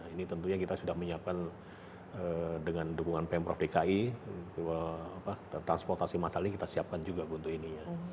ini tentunya kita sudah menyiapkan dengan dukungan pemprov dki transportasi masal ini kita siapkan juga untuk ini ya